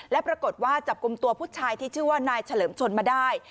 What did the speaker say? และปรากฏว่าจับกลุ่มตัวผู้ชายที่ชื่อว่านายเฉลิมชนมาได้